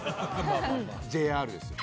ＪＲですよ。